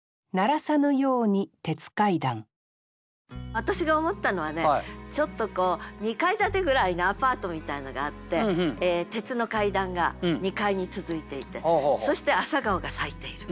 私が思ったのはちょっと２階建てぐらいのアパートがみたいのがあって鉄の階段が２階に続いていてそして朝顔が咲いている。